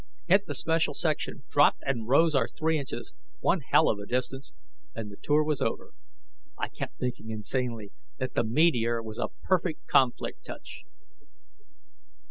Hit the special section, dropped and rose our three inches one hell of a distance and the tour was over. I kept thinking, insanely, that the meteor was a perfect conflict touch.